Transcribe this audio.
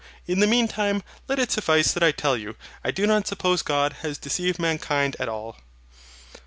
In the meantime, let it suffice that I tell you, I do not suppose God has deceived mankind at all.